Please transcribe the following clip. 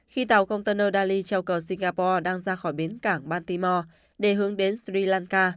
khi tàu container dali treo cầu singapore đang ra khỏi biến cảng baltimore để hướng đến sri lanka